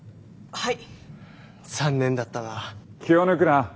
はい？